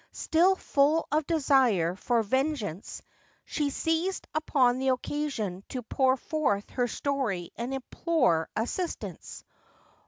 Still full of desire for venge ance, she seized upon the occasion to pour forth her story and implore assistance.